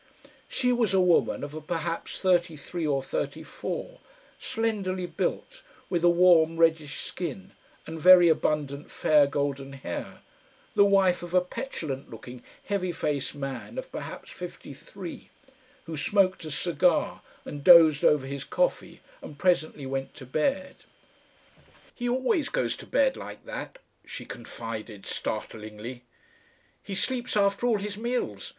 She was a woman of perhaps thirty three or thirty four, slenderly built, with a warm reddish skin and very abundant fair golden hair, the wife of a petulant looking heavy faced man of perhaps fifty three, who smoked a cigar and dozed over his coffee and presently went to bed. "He always goes to bed like that," she confided startlingly. "He sleeps after all his meals.